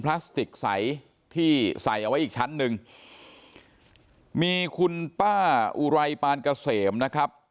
พลาสติกใสที่ใส่เอาไว้อีกชั้นหนึ่งมีคุณป้าอุไรปานเกษมนะครับ